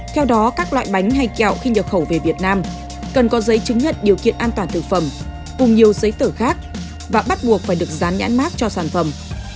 theo đó các loại bánh hay kẹo khi nhập khẩu về việt nam cần có giấy chứng nhận điều kiện an toàn thực phẩm cùng nhiều giấy tờ khác và bắt buộc phải được dán nhãn mát cho sản phẩm